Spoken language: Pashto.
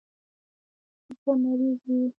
ته مريض يې.